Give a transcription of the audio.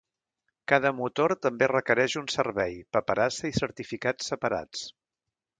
Cada motor també requereix un servei, paperassa i certificats separats.